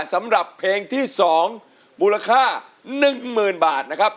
สำหรับเพลงที่๒มูลค่า๑๐๐๐บาทนะครับ